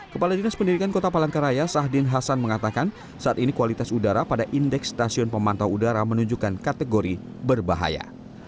kepala dinas pendidikan kota palangkaraya sahdin hasan mengatakan saat ini kualitas udara pada indeks stasiun pemantau udara menunjukkan kategori berbahaya